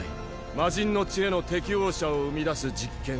魔神の血への適応者を生み出す実験。